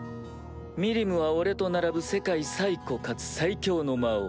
ミリムは俺と並ぶ世界最古かつ最強の魔王。